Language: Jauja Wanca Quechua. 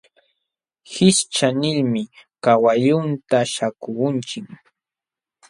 Hishcha nilmi kawallunta śhaakuuchin.